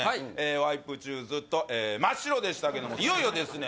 ワイプ中ずっと真っ白でしたけどもいよいよですね